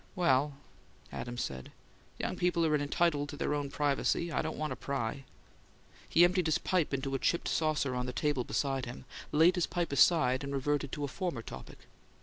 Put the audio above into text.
"Well, well," Adams said. "Young people are entitled to their own privacy; I don't want to pry." He emptied his pipe into a chipped saucer on the table beside him, laid the pipe aside, and reverted to a former topic.